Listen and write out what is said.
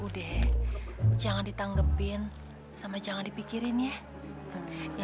deh jangan ditanggepin sama jangan dipikirin ya